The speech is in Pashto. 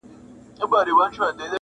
دا چې لاړه شي، د دواړو لپاره ښه ده